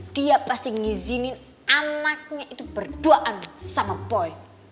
dia pasti ngizinin anaknya itu berduaan sama boy